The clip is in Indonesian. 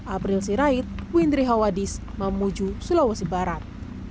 april sirait windri hawadis mamuju sulawesi barat